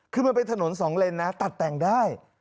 คือมันเป็นถนนสองเลนนะตัดแต่งได้